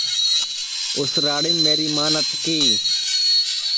اُس راڑیم میری ماں نتکی